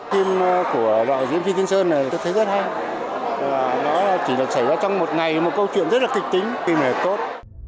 phim của đạo diễn phi tiến sơn này tôi thấy rất hay nó chỉ được xảy ra trong một ngày một câu chuyện rất là kịch tính phim này tốt